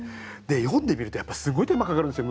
読んでみるとやっぱりすごい手間かかるんですよ